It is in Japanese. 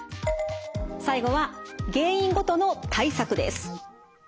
最後は原因ごとの対策です。